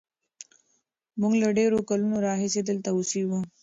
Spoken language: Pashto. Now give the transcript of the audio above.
موږ له ډېرو کلونو راهیسې دلته اوسېږو.